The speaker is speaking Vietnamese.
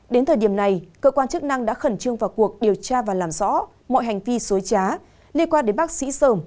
đến thời điểm này cơ quan chức năng đã khẩn trương vào cuộc điều tra và làm rõ mọi hành vi suối trá liên quan đến bác sĩ sở